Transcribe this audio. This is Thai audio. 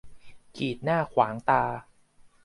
กีดหน้าขวางตา